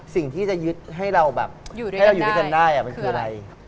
สิ่งที่จะยึดให้เราอยู่ด้วยกันได้